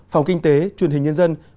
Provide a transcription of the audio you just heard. phòng kinh tế truyền hình nhân dân